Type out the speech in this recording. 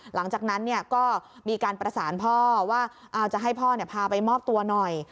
หลังจากนั้นก็มีการประสานพ่อว่าจะให้พ่อพาไปมอบตัวหน่อย